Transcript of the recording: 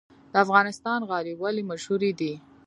د افغانستان غالۍ ولې مشهورې دي؟